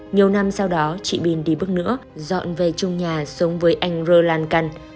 nhiều năm sau đó chị pin đi bước nữa dọn về chung nhà sống với anh rơ lan căn